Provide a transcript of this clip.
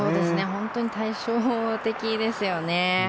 本当に対照的ですよね。